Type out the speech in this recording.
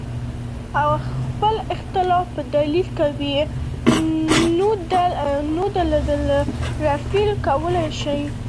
او خپل اختلاف پۀ دليل کوي نو دلته ئې ريفر کولے شئ